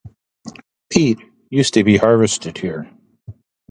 Peat used to be harvested here.